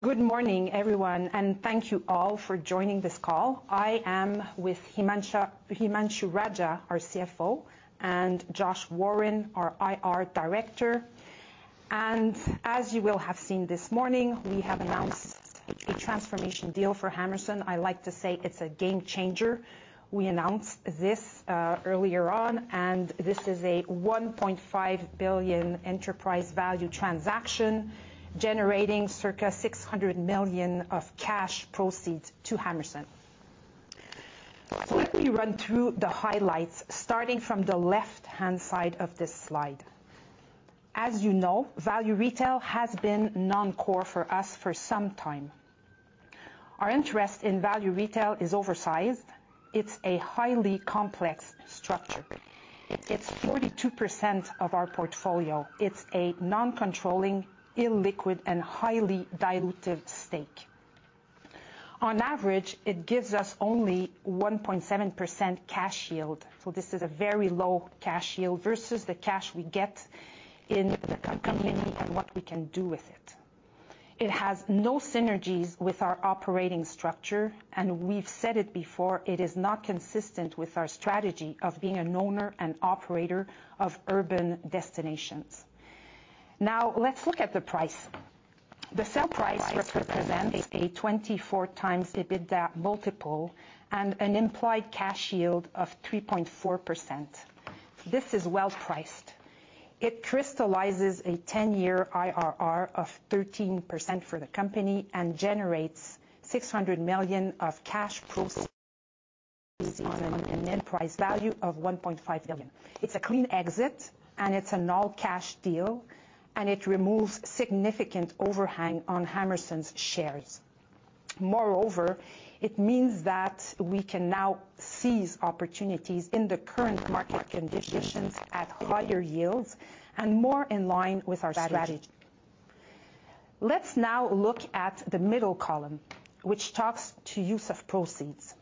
Good morning, everyone, and thank you all for joining this call. I am with Himanshu Raja, our CFO, and Josh Warren, our IR director. As you will have seen this morning, we have announced a transformation deal for Hammerson. I like to say it's a game changer. We announced this earlier on, and this is a 1.5 billion enterprise value transaction, generating circa 600 million of cash proceeds to Hammerson. Let me run through the highlights, starting from the left-hand side of this slide. As you know, Value Retail has been non-core for us for some time. Our interest in Value Retail is oversized. It's a highly complex structure. It's 42% of our portfolio. It's a non-controlling, illiquid and highly dilutive stake. On average, it gives us only 1.7% cash yield, so this is a very low cash yield versus the cash we get in the company and what we can do with it. It has no synergies with our operating structure, and we've said it before, it is not consistent with our strategy of being an owner and operator of urban destinations. Now, let's look at the price. The sale price represents a 24x EBITDA multiple and an implied cash yield of 3.4%. This is well priced. It crystallizes a 10-year IRR of 13% for the company and generates 600 million of cash proceeds on an enterprise value of 1.5 billion. It's a clean exit, and it's an all cash deal, and it removes significant overhang on Hammerson's shares. Moreover, it means that we can now seize opportunities in the current market conditions at higher yields and more in line with our strategy. Let's now look at the middle column, which talks to use of proceeds.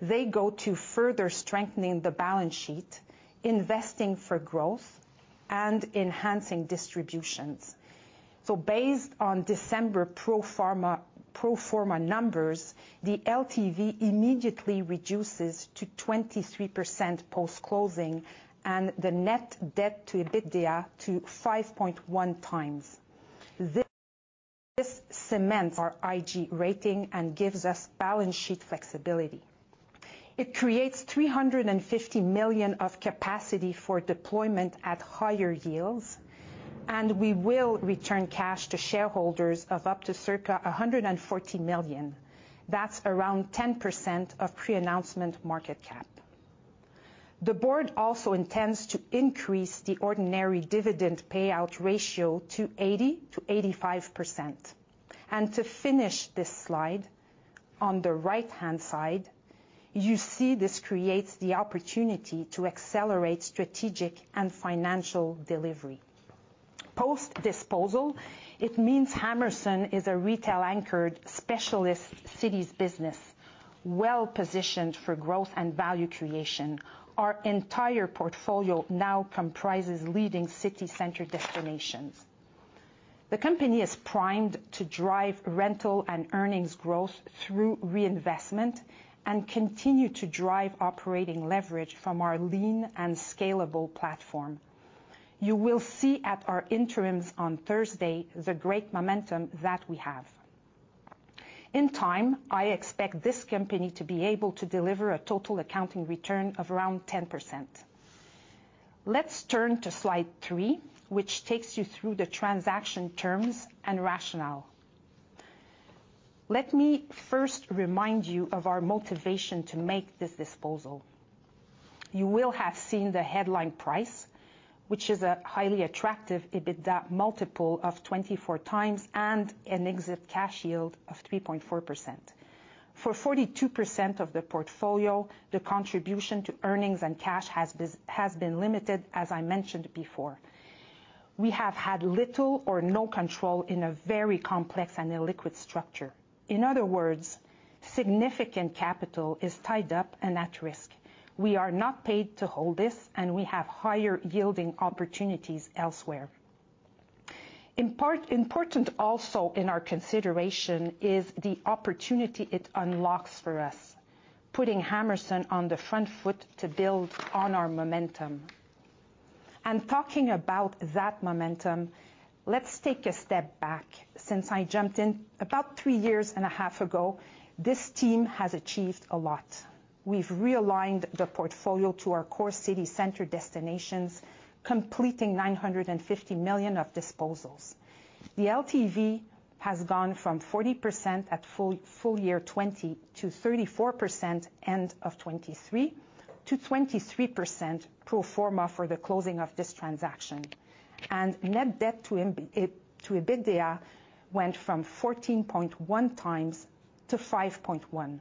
They go to further strengthening the balance sheet, investing for growth and enhancing distributions. So based on December pro forma, pro forma numbers, the LTV immediately reduces to 23% post-closing and the net debt to EBITDA to 5.1x. This cements our IG rating and gives us balance sheet flexibility. It creates 350 million of capacity for deployment at higher yields, and we will return cash to shareholders of up to circa 140 million. That's around 10% of pre-announcement market cap. The board also intends to increase the ordinary dividend payout ratio to 80%-85%. To finish this slide, on the right-hand side, you see this creates the opportunity to accelerate strategic and financial delivery. Post disposal, it means Hammerson is a retail anchored specialist cities business, well positioned for growth and value creation. Our entire portfolio now comprises leading city center destinations. The company is primed to drive rental and earnings growth through reinvestment and continue to drive operating leverage from our lean and scalable platform. You will see at our interims on Thursday, the great momentum that we have. In time, I expect this company to be able to deliver a total accounting return of around 10%. Let's turn to slide three, which takes you through the transaction terms and rationale. Let me first remind you of our motivation to make this disposal. You will have seen the headline price, which is a highly attractive EBITDA multiple of 24x and an exit cash yield of 3.4%. For 42% of the portfolio, the contribution to earnings and cash has been limited, as I mentioned before. We have had little or no control in a very complex and illiquid structure. In other words, significant capital is tied up and at risk. We are not paid to hold this, and we have higher yielding opportunities elsewhere. In part, important also in our consideration is the opportunity it unlocks for us, putting Hammerson on the front foot to build on our momentum. And talking about that momentum, let's take a step back. Since I jumped in about 3.5 years ago, this team has achieved a lot. We've realigned the portfolio to our core city center destinations, completing 950 million of disposals. The LTV has gone from 40% at full year 2020, to 34% end of 2023, to 23% pro forma for the closing of this transaction. And net debt to EBITDA went from 14.1x to 5.1x.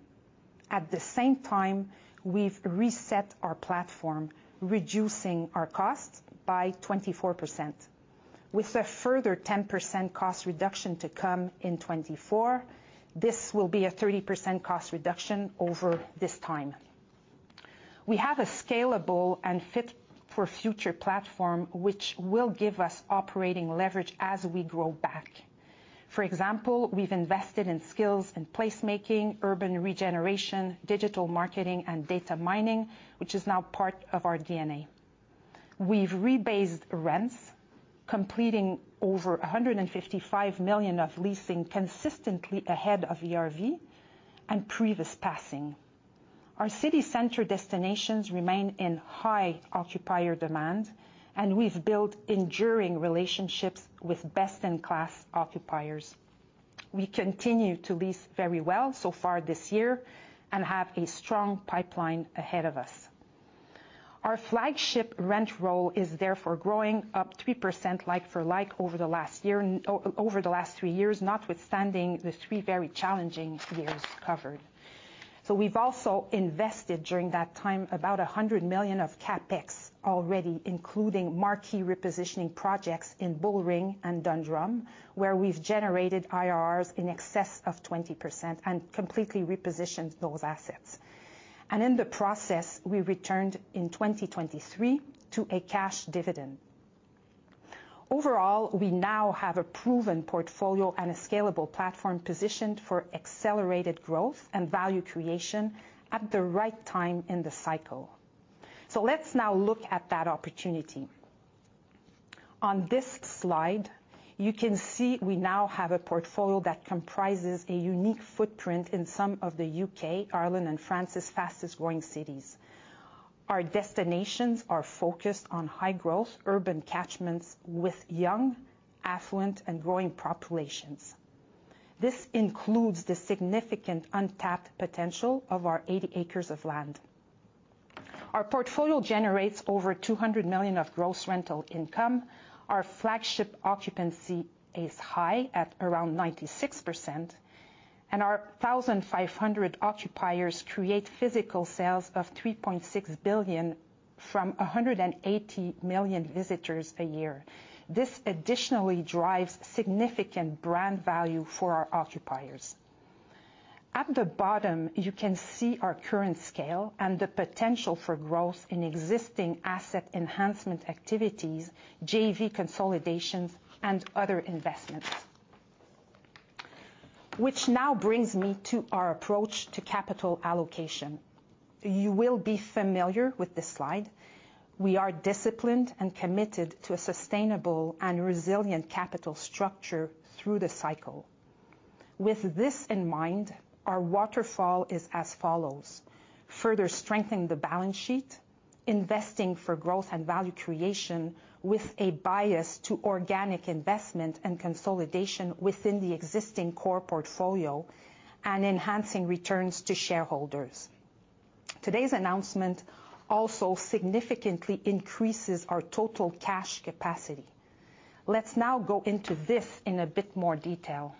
At the same time, we've reset our platform, reducing our costs by 24%. With a further 10% cost reduction to come in 2024, this will be a 30% cost reduction over this time. We have a scalable and fit for future platform, which will give us operating leverage as we grow back. For example, we've invested in skills, in placemaking, urban regeneration, digital marketing, and data mining, which is now part of our DNA. We've rebased rents, completing over 155 million of leasing consistently ahead of ERV and previous passing. Our city center destinations remain in high occupier demand, and we've built enduring relationships with best-in-class occupiers. We continue to lease very well so far this year and have a strong pipeline ahead of us. Our flagship rent roll is therefore growing up 3% like for like over the last year, and over the last three years, notwithstanding the three very challenging years covered. So we've also invested, during that time, about 100 million of CapEx already, including marquee repositioning projects in Bullring and Dundrum, where we've generated IRRs in excess of 20% and completely repositioned those assets. And in the process, we returned in 2023 to a cash dividend. Overall, we now have a proven portfolio and a scalable platform positioned for accelerated growth and value creation at the right time in the cycle. Let's now look at that opportunity. On this slide, you can see we now have a portfolio that comprises a unique footprint in some of the U.K., Ireland, and France's fastest growing cities. Our destinations are focused on high growth, urban catchments with young, affluent, and growing populations. This includes the significant untapped potential of our 80 acres of land. Our portfolio generates over 200 million of gross rental income. Our flagship occupancy is high, at around 96%, and our 1,500 occupiers create physical sales of 3.6 billion from 180 million visitors a year. This additionally drives significant brand value for our occupiers. At the bottom, you can see our current scale and the potential for growth in existing asset enhancement activities, JV consolidations, and other investments. Which now brings me to our approach to capital allocation. You will be familiar with this slide. We are disciplined and committed to a sustainable and resilient capital structure through the cycle. With this in mind, our waterfall is as follows: Further strengthening the balance sheet, investing for growth and value creation with a bias to organic investment and consolidation within the existing core portfolio, and enhancing returns to shareholders. Today's announcement also significantly increases our total cash capacity. Let's now go into this in a bit more detail.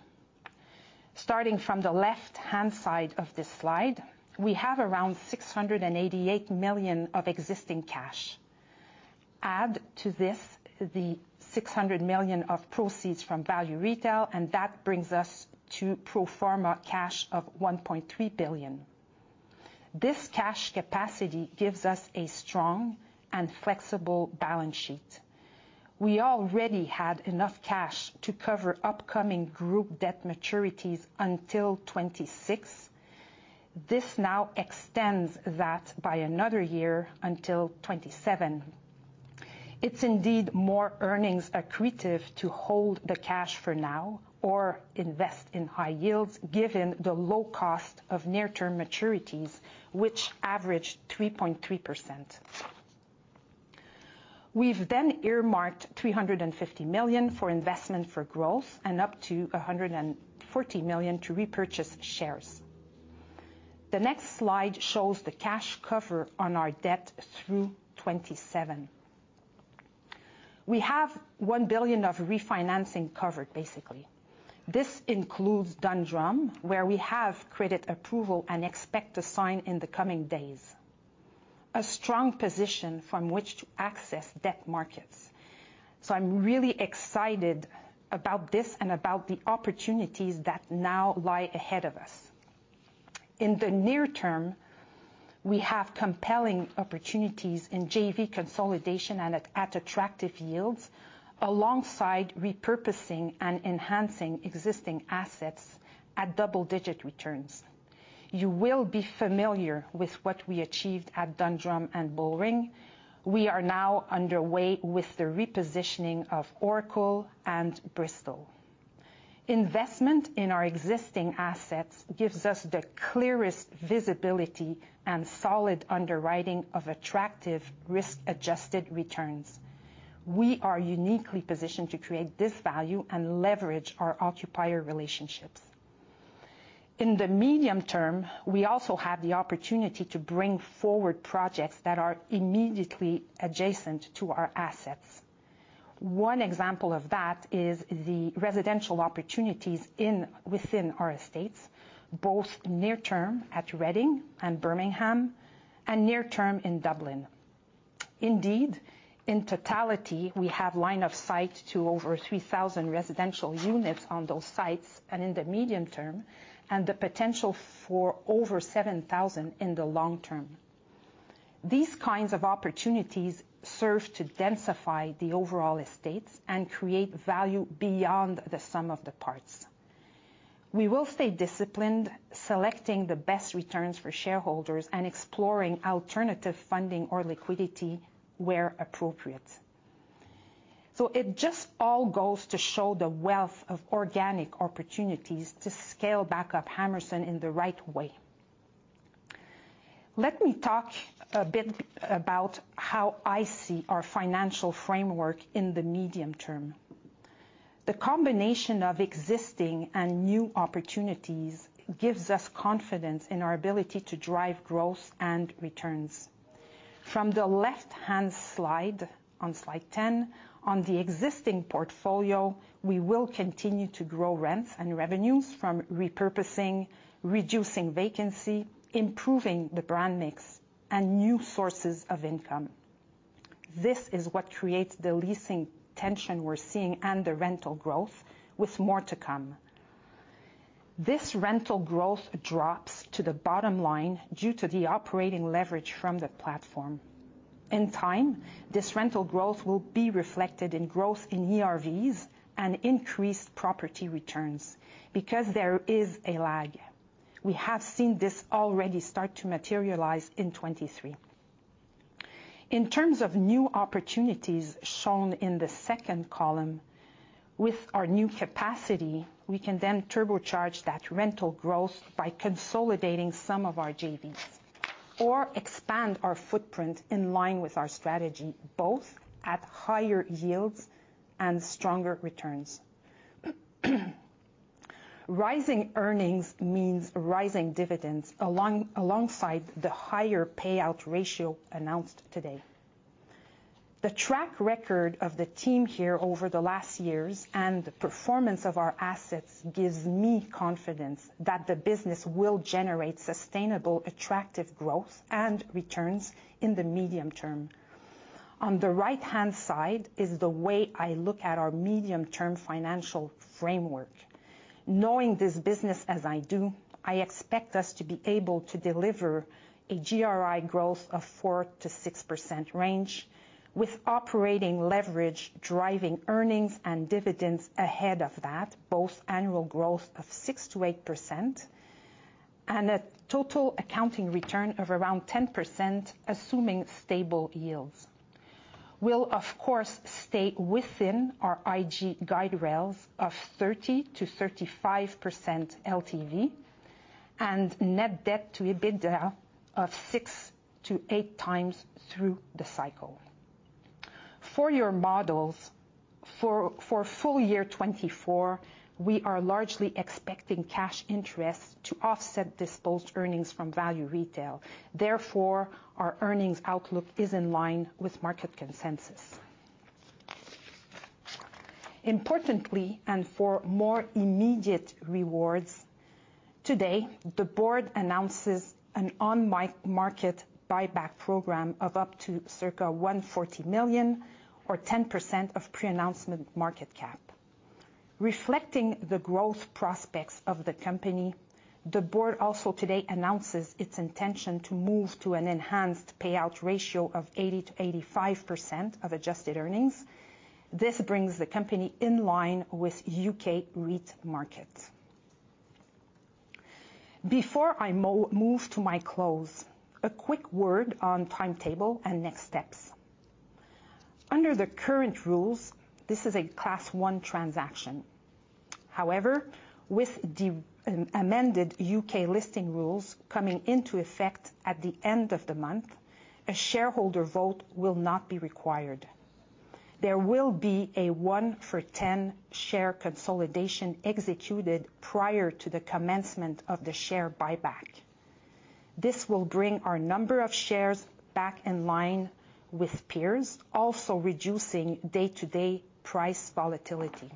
Starting from the left-hand side of this slide, we have around 688 million of existing cash. Add to this the 600 million of proceeds from Value Retail, and that brings us to pro forma cash of 1.3 billion. This cash capacity gives us a strong and flexible balance sheet. We already had enough cash to cover upcoming group debt maturities until 2026. This now extends that by another year until 2027. It's indeed more earnings accretive to hold the cash for now or invest in high yields, given the low cost of near-term maturities, which average 3.3%. We've then earmarked 350 million for investment for growth and up to 140 million to repurchase shares. The next slide shows the cash cover on our debt through 2027. We have 1 billion of refinancing covered, basically. This includes Dundrum, where we have credit approval and expect to sign in the coming days, a strong position from which to access debt markets. So I'm really excited about this and about the opportunities that now lie ahead of us. In the near term, we have compelling opportunities in JV consolidation and at attractive yields, alongside repurposing and enhancing existing assets at double digit returns. You will be familiar with what we achieved at Dundrum and Bullring. We are now underway with the repositioning of Oracle and Bristol. Investment in our existing assets gives us the clearest visibility and solid underwriting of attractive risk-adjusted returns. We are uniquely positioned to create this value and leverage our occupier relationships. In the medium term, we also have the opportunity to bring forward projects that are immediately adjacent to our assets. One example of that is the residential opportunities in, within our estates, both near term at Reading and Birmingham, and near term in Dublin. Indeed, in totality, we have line of sight to over 3,000 residential units on those sites and in the medium term, and the potential for over 7,000 in the long term. These kinds of opportunities serve to densify the overall estates and create value beyond the sum of the parts. We will stay disciplined, selecting the best returns for shareholders and exploring alternative funding or liquidity where appropriate. So it just all goes to show the wealth of organic opportunities to scale back up Hammerson in the right way. Let me talk a bit about how I see our financial framework in the medium term. The combination of existing and new opportunities gives us confidence in our ability to drive growth and returns. From the left-hand slide, on slide 10, on the existing portfolio, we will continue to grow rents and revenues from repurposing, reducing vacancy, improving the brand mix, and new sources of income. This is what creates the leasing tension we're seeing and the rental growth, with more to come. This rental growth drops to the bottom line due to the operating leverage from the platform. In time, this rental growth will be reflected in growth in ERVs and increased property returns because there is a lag. We have seen this already start to materialize in 2023. In terms of new opportunities shown in the second column, with our new capacity, we can then turbocharge that rental growth by consolidating some of our JVs, or expand our footprint in line with our strategy, both at higher yields and stronger returns. Rising earnings means rising dividends along, alongside the higher payout ratio announced today. The track record of the team here over the last years, and the performance of our assets, gives me confidence that the business will generate sustainable, attractive growth and returns in the medium term. On the right-hand side is the way I look at our medium-term financial framework. Knowing this business as I do, I expect us to be able to deliver a GRI growth of 4% to 6% range, with operating leverage driving earnings and dividends ahead of that, both annual growth of 6% to 8%, and a total accounting return of around 10%, assuming stable yields. We'll, of course, stay within our IG guide rails of 30% to 35% LTV, and net debt to EBITDA of 6x to 8x through the cycle. For your models, for full year 2024, we are largely expecting cash interest to offset disposed earnings from Value Retail. Therefore, our earnings outlook is in line with market consensus. Importantly, for more immediate rewards, today, the board announces an on-market buyback program of up to circa 140 million or 10% of pre-announcement market cap. Reflecting the growth prospects of the company, the board also today announces its intention to move to an enhanced payout ratio of 80% to 85% of adjusted earnings. This brings the company in line with U.K. REIT markets. Before I move to my close, a quick word on timetable and next steps. Under the current rules, this is a Class One transaction. However, with the amended U.K. listing rules coming into effect at the end of the month, a shareholder vote will not be required. There will be a 1-for-10 share consolidation executed prior to the commencement of the share buyback. This will bring our number of shares back in line with peers, also reducing day-to-day price volatility.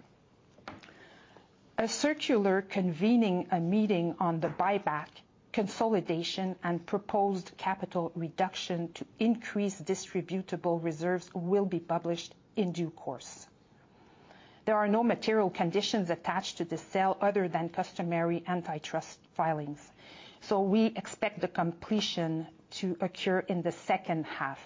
A circular convening a meeting on the buyback consolidation and proposed capital reduction to increase distributable reserves will be published in due course. There are no material conditions attached to the sale other than customary antitrust filings, so we expect the completion to occur in the second half.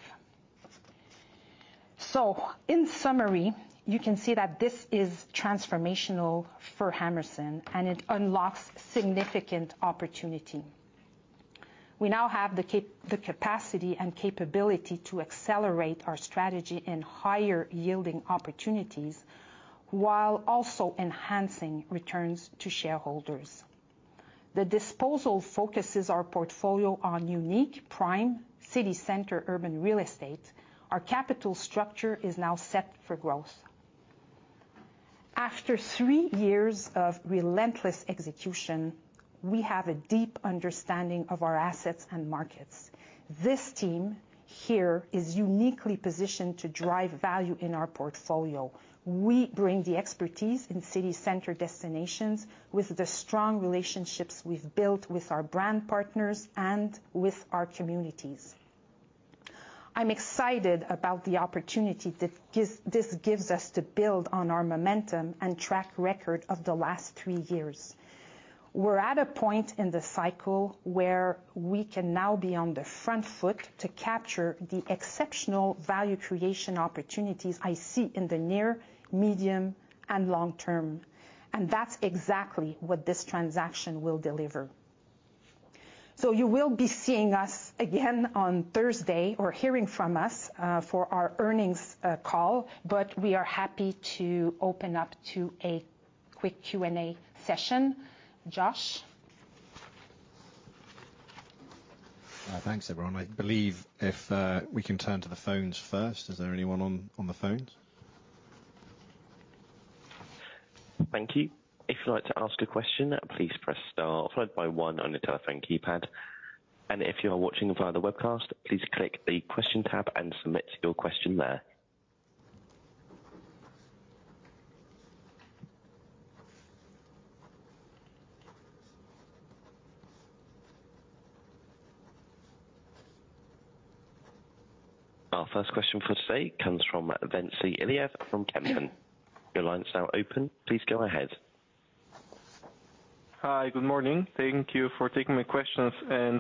So in summary, you can see that this is transformational for Hammerson, and it unlocks significant opportunity. We now have the capacity and capability to accelerate our strategy in higher-yielding opportunities, while also enhancing returns to shareholders. The disposal focuses our portfolio on unique, prime, city center, urban real estate. Our capital structure is now set for growth. After three years of relentless execution, we have a deep understanding of our assets and markets. This team here is uniquely positioned to drive value in our portfolio. We bring the expertise in city center destinations with the strong relationships we've built with our brand partners and with our communities.... I'm excited about the opportunity that gives, this gives us to build on our momentum and track record of the last three years. We're at a point in the cycle where we can now be on the front foot to capture the exceptional value creation opportunities I see in the near, medium, and long term, and that's exactly what this transaction will deliver. So you will be seeing us again on Thursday, or hearing from us, for our earnings call, but we are happy to open up to a quick Q&A session. Josh? Thanks, everyone. I believe if we can turn to the phones first, is there anyone on the phones? Thank you. If you'd like to ask a question, please press star followed by one on your telephone keypad. If you are watching via the webcast, please click the Question tab and submit your question there. Our first question for today comes from Ventsi Iliev from Kepler. Your line's now open, please go ahead. Hi, good morning. Thank you for taking my questions.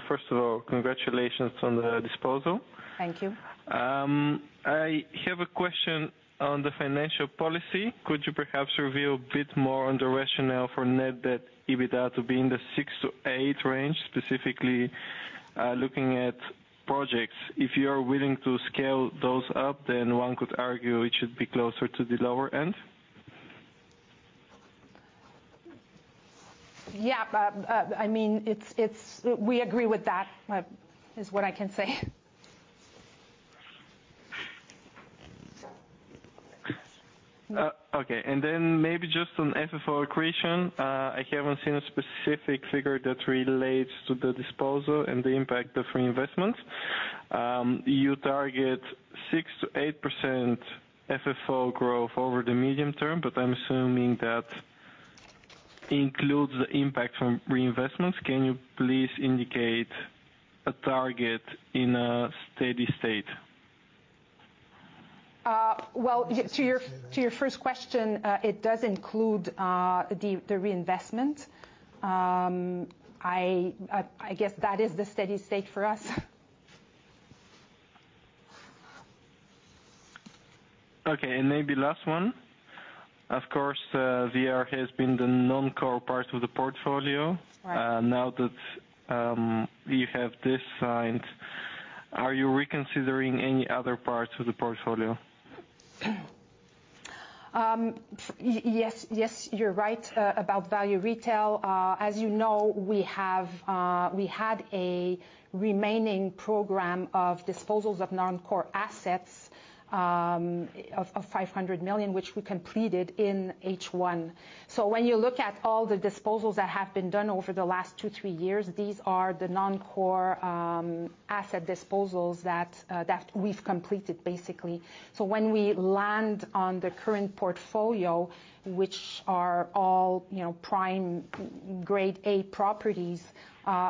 First of all, congratulations on the disposal. Thank you. I have a question on the financial policy. Could you perhaps reveal a bit more on the rationale for net debt EBITDA to be in the 6 to 8 range, specifically, looking at projects? If you are willing to scale those up, then one could argue it should be closer to the lower end. Yeah, but, I mean, it's, we agree with that, is what I can say. Okay. And then maybe just on FFO creation, I haven't seen a specific figure that relates to the disposal and the impact of reinvestments. You target 6% to 8% FFO growth over the medium term, but I'm assuming that includes the impact from reinvestments. Can you please indicate a target in a steady state? Well, to your first question, it does include the reinvestment. I guess that is the steady state for us. Okay. And maybe last one. Of course, VR has been the non-core part of the portfolio. Right. Now that you have this signed, are you reconsidering any other parts of the portfolio? Yes, yes, you're right about Value Retail. As you know, we have, we had a remaining program of disposals of non-core assets of 500 million, which we completed in H1. So when you look at all the disposals that have been done over the last 2, 3 years, these are the non-core asset disposals that we've completed, basically. So when we land on the current portfolio, which are all, you know, prime Grade A properties,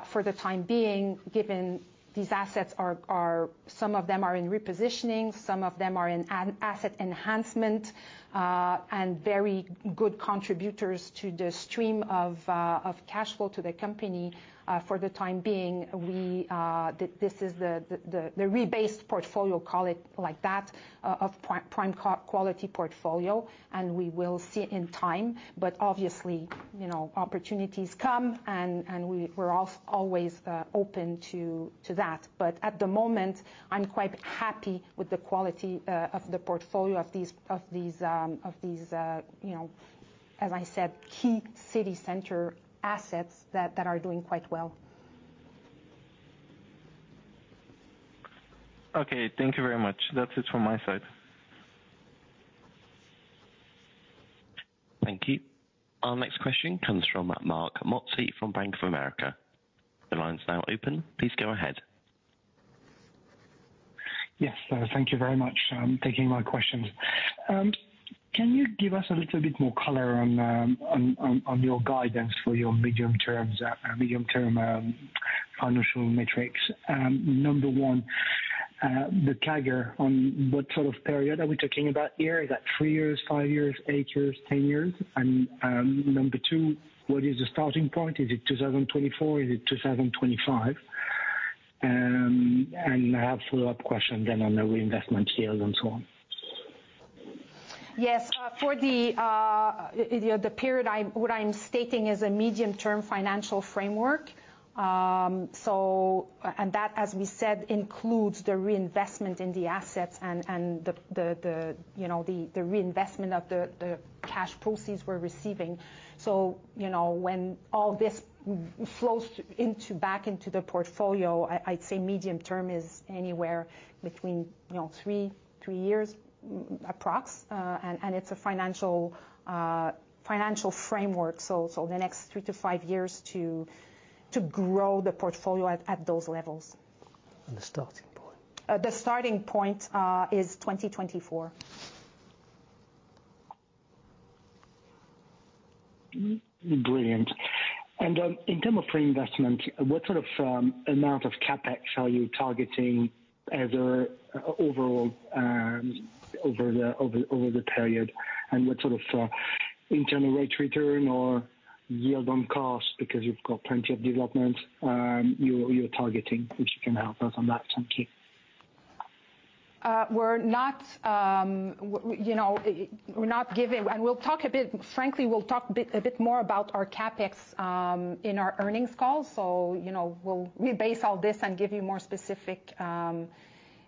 for the time being, given these assets are some of them are in repositioning, some of them are in asset enhancement, and very good contributors to the stream of cash flow to the company, for the time being. We... This is the rebased portfolio, call it like that, of prime quality portfolio, and we will see in time. But obviously, you know, opportunities come, and we're always open to that. But at the moment, I'm quite happy with the quality of the portfolio of these you know, as I said, key city center assets that are doing quite well. Okay, thank you very much. That's it from my side. Thank you. Our next question comes from Marc Mozi from Bank of America. The line's now open. Please go ahead. Yes, thank you very much for taking my questions. Can you give us a little bit more color on your guidance for your medium terms, medium-term financial metrics? Number one, the CAGR, on what sort of period are we talking about here? Is that 3 years, 5 years, 8 years, 10 years? And, number two, what is the starting point? Is it 2024? Is it 2025? And I have a follow-up question then on the reinvestment yields and so on. Yes. For the, you know, the period I'm, what I'm stating is a medium-term financial framework. So, and that, as we said, includes the reinvestment in the assets and, and the, the, the, you know, the, the reinvestment of the, the cash proceeds we're receiving. So, you know, when all this flows into, back into the portfolio, I'd say medium term is anywhere between, you know, three, 3 years approx, and, and it's a financial, financial framework, so, so the next 3 to 5 years to, to grow the portfolio at, at those levels. The starting point? The starting point is 2024. Brilliant. And in terms of reinvestment, what sort of amount of CapEx are you targeting as overall over the period? And what sort of internal rate of return or yield on cost, because you've got plenty of development, you're targeting, if you can help us on that? Thank you. We're not giving, you know, we're not giving. We'll talk a bit, frankly, we'll talk a bit more about our CapEx in our earnings call. So, you know, we'll rebase all this and give you more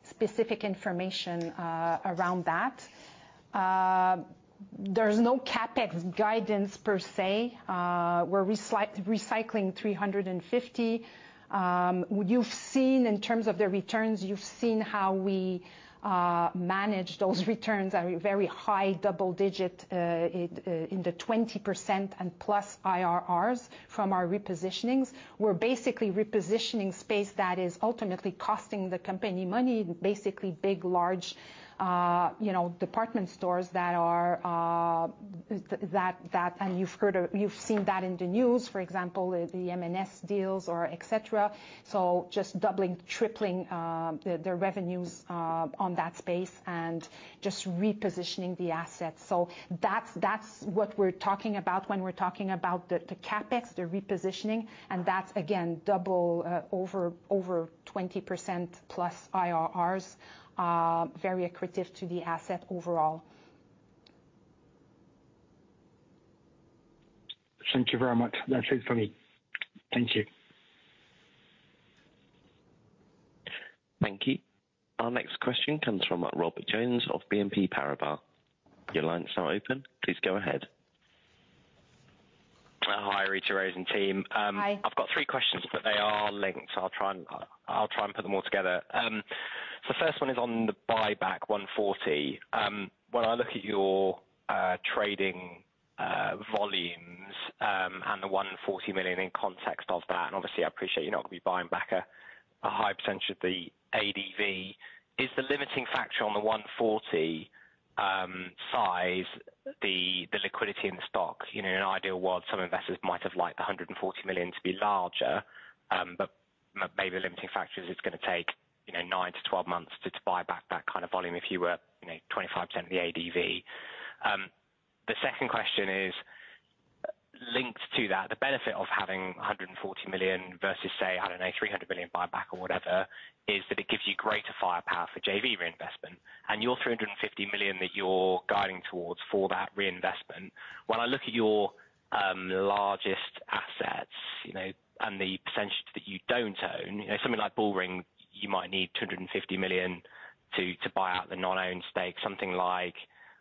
specific information around that. There's no CapEx guidance per se. We're recycling 350. You've seen, in terms of the returns, you've seen how we manage those returns at a very high double digit in the 20% and plus IRRs from our repositionings. We're basically repositioning space that is ultimately costing the company money, basically big, large, you know, department stores that are that, and you've heard of, you've seen that in the news, for example, the M&S deals or et cetera. So just doubling, tripling, the revenues on that space and just repositioning the assets. So that's what we're talking about when we're talking about the CapEx, the repositioning, and that's, again, doubling over 20%+ IRRs, very accretive to the asset overall. Thank you very much. That's it for me. Thank you. Thank you. Our next question comes from Robert Jones of BNP Paribas. Your line's now open. Please go ahead. Hi, Rita-Rose and team. Hi. I've got three questions, but they are linked, so I'll try and put them all together. The first one is on the buyback 140. When I look at your trading volumes, and the 140 million in context of that, and obviously, I appreciate you're not gonna be buying back a high percentage of the ADV. Is the limiting factor on the 140 size, the liquidity in the stock? You know, in an ideal world, some investors might have liked the 140 million to be larger, but maybe the limiting factor is it's gonna take, you know, 9 to 12 months to buy back that kind of volume if you were, you know, 25% of the ADV. The second question is linked to that. The benefit of having 140 million versus, say, I don't know, 300 million buyback or whatever, is that it gives you greater firepower for JV reinvestment. Your 350 million that you're guiding towards for that reinvestment, when I look at your largest assets, you know, and the percentage that you don't own, you know, something like Bullring, you might need 250 million to buy out the non-owned stake. Something like,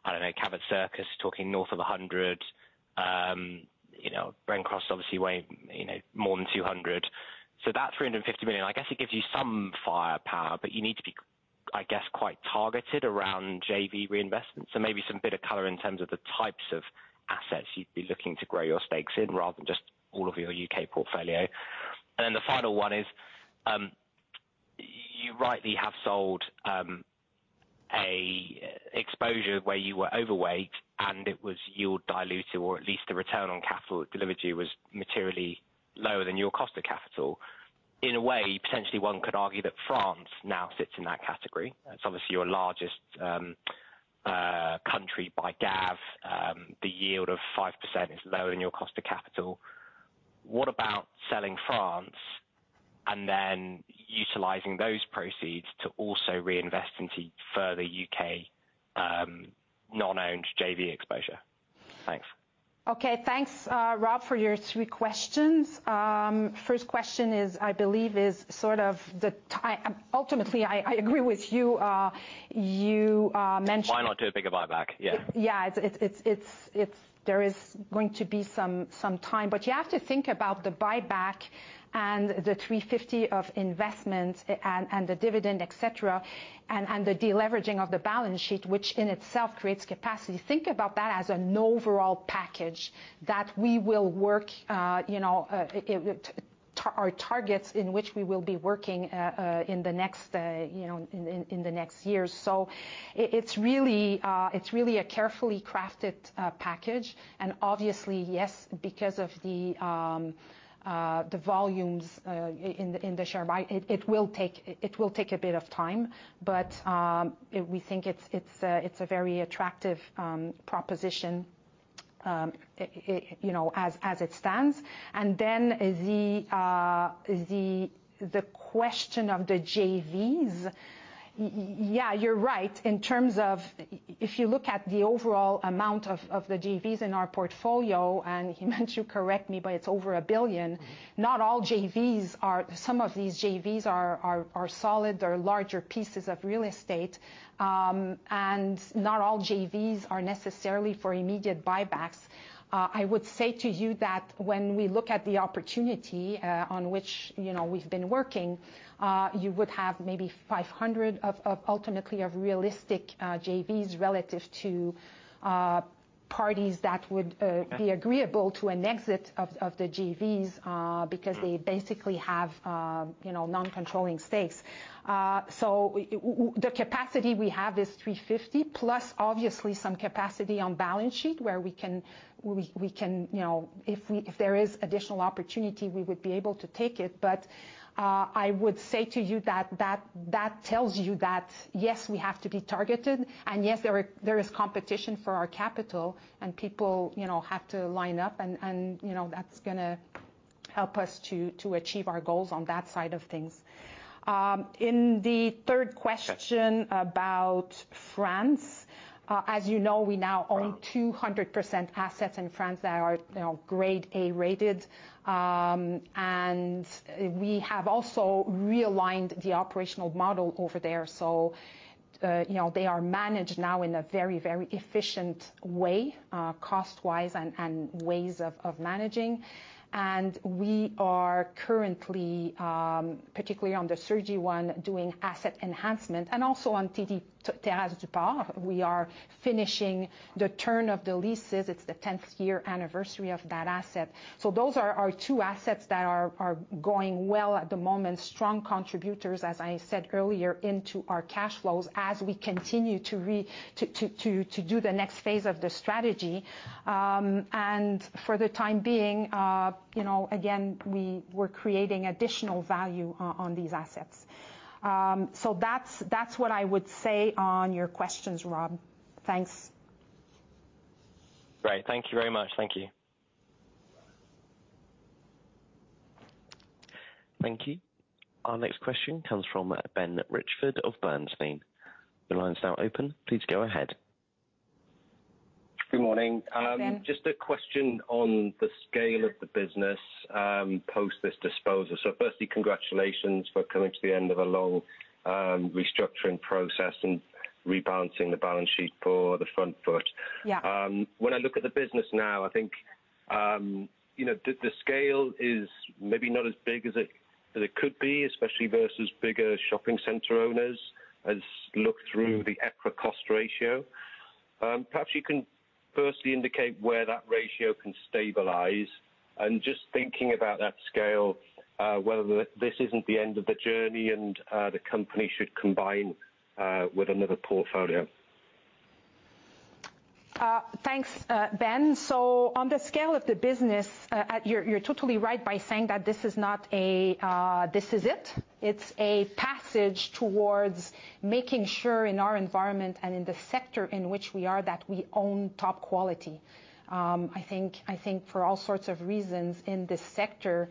I don't know, Cabot Circus, talking north of 100. You know, Brent Cross obviously way, you know, more than 200. So that 350 million, I guess it gives you some firepower, but you need to be, I guess, quite targeted around JV reinvestment. So maybe some bit of color in terms of the types of assets you'd be looking to grow your stakes in, rather than just all of your U.K. portfolio. And then the final one is, you rightly have sold, a exposure where you were overweight, and it was you're diluted, or at least the return on capital it delivered you was materially lower than your cost of capital. In a way, potentially one could argue that France now sits in that category. It's obviously your largest, country by GAV. The yield of 5% is lower than your cost of capital. What about selling France and then utilizing those proceeds to also reinvest into further U.K., non-owned JV exposure? Thanks. Okay. Thanks, Rob, for your three questions. First question is, I believe, is sort of the Ultimately, I agree with you. You mentioned- Why not do a bigger buyback? Yeah. Yeah, it's. There is going to be some time, but you have to think about the buyback and the 350 million of investment and the dividend, et cetera, and the deleveraging of the balance sheet, which in itself creates capacity. Think about that as an overall package that we will work, you know, to our targets in which we will be working, in the next, you know, in the next years. So it's really, it's really a carefully crafted package, and obviously, yes, because of the volumes in the share buy, it will take a bit of time, but we think it's a very attractive proposition, you know, as it stands. And then the question of the JVs, yeah, you're right. In terms of... If you look at the overall amount of the JVs in our portfolio, and Himanshu correct me, but it's over 1 billion. Not all JVs are. Some of these JVs are solid, they're larger pieces of real estate, and not all JVs are necessarily for immediate buybacks. I would say to you that when we look at the opportunity, on which, you know, we've been working, you would have maybe 500 million of ultimately realistic JVs relative to parties that would be agreeable to an exit of the JVs, because they basically have, you know, non-controlling stakes. So the capacity we have is 350, plus obviously some capacity on balance sheet, where we can, you know, if there is additional opportunity, we would be able to take it. But I would say to you that that tells you that, yes, we have to be targeted, and yes, there is competition for our capital, and people, you know, have to line up and, you know, that's gonna help us to achieve our goals on that side of things. In the third question about France, as you know, we now own tw00% assets in France that are, you know, grade-A rated. And we have also realigned the operational model over there. So, you know, they are managed now in a very, very efficient way, cost-wise and ways of managing. And we are currently, particularly on Italie Deux, doing asset enhancement, and also on Les Terrasses du Port, we are finishing the turn of the leases. It's the 10th year anniversary of that asset. So those are our two assets that are going well at the moment, strong contributors, as I said earlier, into our cash flows as we continue to do the next phase of the strategy. And for the time being, you know, again, we're creating additional value on these assets. So that's what I would say on your questions, Rob. Thanks. Great. Thank you very much. Thank you. Thank you. Our next question comes from Ben Richford of Bernstein. Your line's now open. Please go ahead. Good morning. Hi, Ben. Just a question on the scale of the business, post this disposal. So firstly, congratulations for coming to the end of a long restructuring process and rebalancing the balance sheet on the front foot. Yeah. When I look at the business now, I think, you know, the scale is maybe not as big as it could be, especially versus bigger shopping center owners, as we look through the EPRA cost ratio. Perhaps you can firstly indicate where that ratio can stabilize, and just thinking about that scale, whether this isn't the end of the journey and the company should combine with another portfolio. Thanks, Ben. So on the scale of the business, you're totally right by saying that this is not a, this is it. It's a passage towards making sure in our environment and in the sector in which we are, that we own top quality. I think for all sorts of reasons in this sector,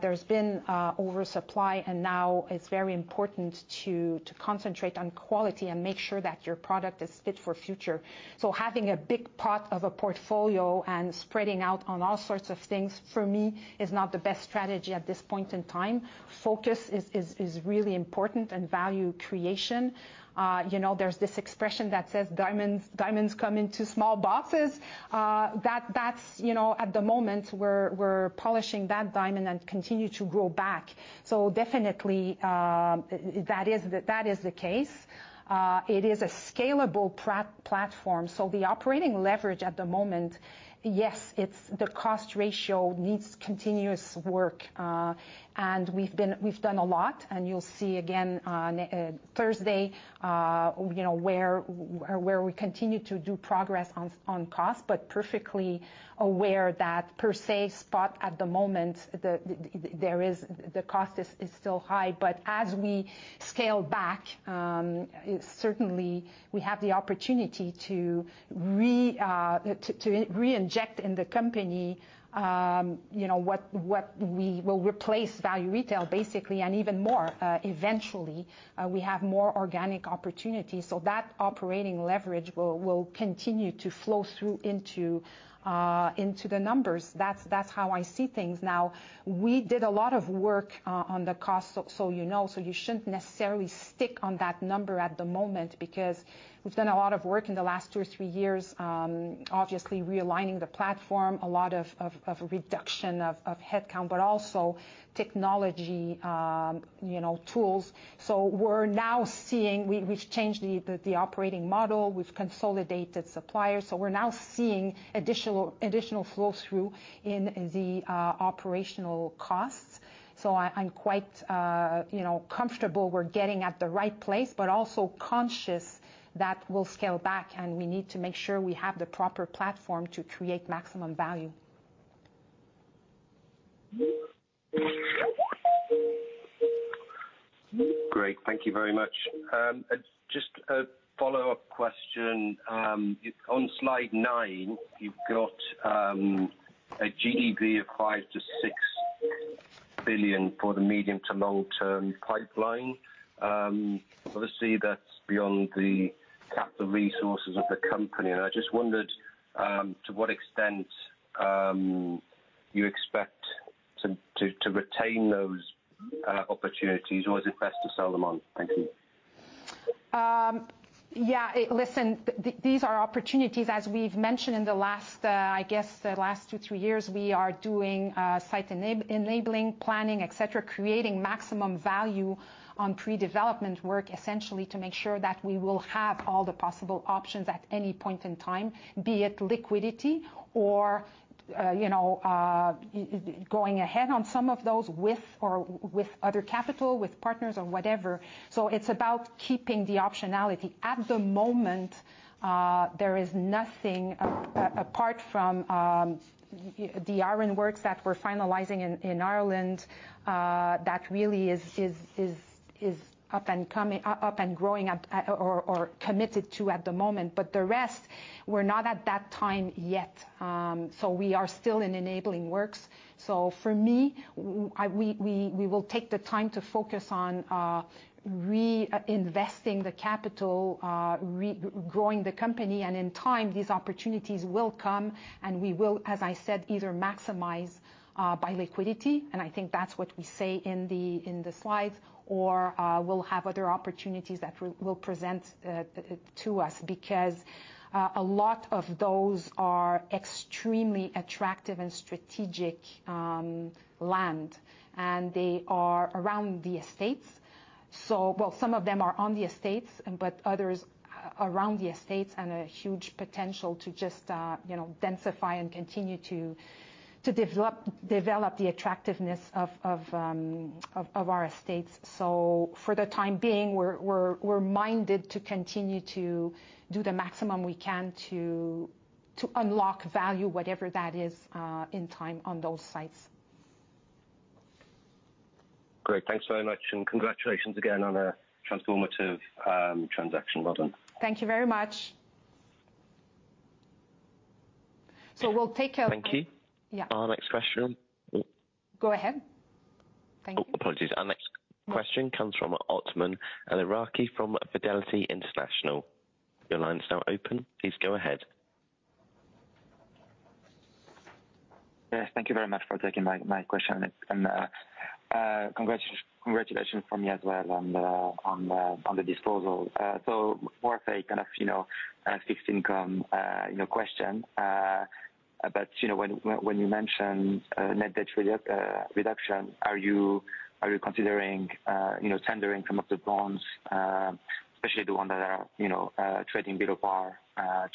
there's been oversupply, and now it's very important to concentrate on quality and make sure that your product is fit for future. So having a big pot of a portfolio and spreading out on all sorts of things, for me, is not the best strategy at this point in time. Focus is really important and value creation. You know, there's this expression that says, "Diamonds, diamonds come in two small boxes." That, that's, you know, at the moment, we're polishing that diamond and continue to grow back. So definitely, that is the case. It is a scalable platform, so the operating leverage at the moment, yes, it's the cost ratio needs continuous work. And we've done a lot, and you'll see again on Thursday, you know, where we continue to do progress on cost, but perfectly aware that per se spot at the moment, there is, the cost is still high. But as we scale back, certainly we have the opportunity to reinject in the company, you know, what we will replace Value Retail, basically, and even more, eventually, we have more organic opportunities. So that operating leverage will continue to flow through, into the numbers. That's how I see things. Now, we did a lot of work on the cost, so you know, so you shouldn't necessarily stick on that number at the moment, because we've done a lot of work in the last two or three years, obviously realigning the platform, a lot of reduction of headcount, but also technology, you know, tools. So we're now seeing. We've changed the operating model. We've consolidated suppliers, so we're now seeing additional, additional flow through in the operational costs. So I'm quite, you know, comfortable we're getting at the right place, but also conscious that we'll scale back, and we need to make sure we have the proper platform to create maximum value. Great. Thank you very much. Just a follow-up question. On slide nine, you've got a GDV of 5 billion to 6 billion for the medium to long-term pipeline. Obviously, that's beyond the capital resources of the company, and I just wondered to what extent you expect to retain those opportunities, or is it best to sell them on? Thank you. These are opportunities, as we've mentioned in the last two, three years, we are doing site enabling, planning, et cetera, creating maximum value on pre-development work, essentially, to make sure that we will have all the possible options at any point in time, be it liquidity or, you know, going ahead on some of those with other capital, with partners or whatever. So it's about keeping the optionality. At the moment, there is nothing apart from the Ireland works that we're finalizing in Ireland that really is up and coming, up and growing, or committed to at the moment. But the rest, we're not at that time yet. So we are still in enabling works. So for me, we will take the time to focus on reinvesting the capital, growing the company, and in time, these opportunities will come, and we will, as I said, either maximize by liquidity, and I think that's what we say in the slides, or we'll have other opportunities that will present to us, because a lot of those are extremely attractive and strategic land, and they are around the estates. Well, some of them are on the estates, but others around the estates, and a huge potential to just, you know, densify and continue to develop the attractiveness of our estates. For the time being, we're minded to continue to do the maximum we can to unlock value, whatever that is, in time on those sites. Great. Thanks very much, and congratulations again on a transformative transaction. Well done. Thank you very much. So we'll take a- Thank you. Yeah. Our next question Go ahead. Thank you. Oh, apologies. Our next question comes from Othman El Iraki from Fidelity International. Your line is now open. Please go ahead. Yes, thank you very much for taking my question, and congrats, congratulations from me as well on the disposal. So more of a kind of you know fixed income you know question, but you know when you mention net debt reduction, are you considering you know tendering some of the bonds, especially the one that are you know trading below par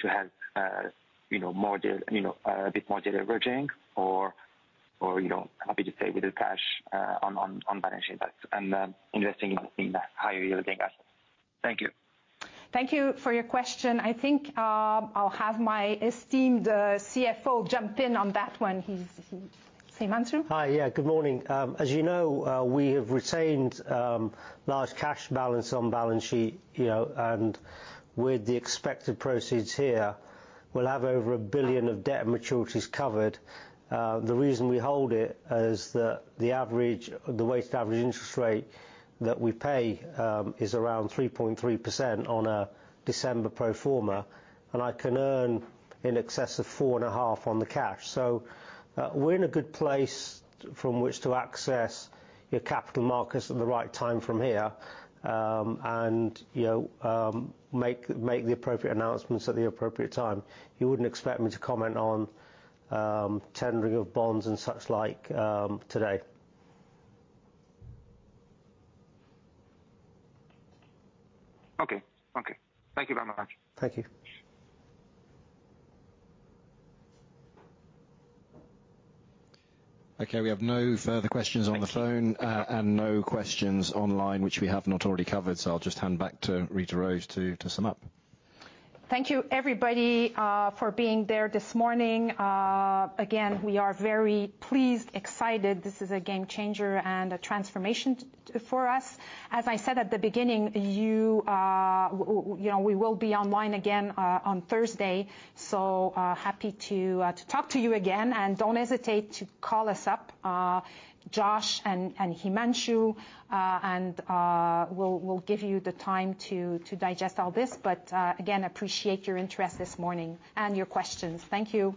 to help you know a bit more deleveraging, or you know happy to stay with the cash on the balance sheet, but and investing in the higher yielding assets? Thank you. Thank you for your question. I think, I'll have my esteemed CFO jump in on that one. He's, Himanshu? Hi. Yeah, good morning. As you know, we have retained large cash balance on balance sheet, you know, and with the expected proceeds here, we'll have over 1 billion of debt maturities covered. The reason we hold it is that the weighted average interest rate that we pay is around 3.3% on a December pro forma, and I can earn in excess of 4.5% on the cash. So, we're in a good place from which to access your capital markets at the right time from here, and, you know, make the appropriate announcements at the appropriate time. You wouldn't expect me to comment on tendering of bonds and such like today. Okay. Okay, thank you very much. Thank you. Okay, we have no further questions on the phone, and no questions online, which we have not already covered, so I'll just hand back to Rita-Rose to sum up. Thank you, everybody, for being there this morning. Again, we are very pleased, excited. This is a game changer and a transformation for us. As I said at the beginning, you, you know, we will be online again, on Thursday, so, happy to, to talk to you again, and don't hesitate to call us up, Josh and Himanshu, and, we'll, we'll give you the time to, to digest all this, but, again, appreciate your interest this morning and your questions. Thank you.